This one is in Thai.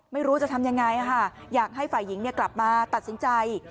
ไม่รู้จะทำยังไงอยากให้ฝ่ายหญิงกลับมาตัดสินใจ